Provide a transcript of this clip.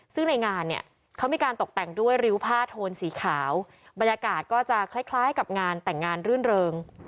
ซึ่งในงานเนี่ยเขามีการตกแต่งด้วยริ้วผ้าโทนสีขาวบรรยากาศก็จะคล้ายกับงานแต่งงานรื่นเริง